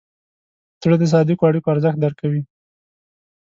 زړه د صادقو اړیکو ارزښت درک کوي.